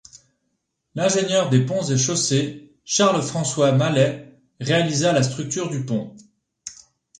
L'ingénieur des ponts et chaussées Charles-François Mallet réalisa la structure du pont.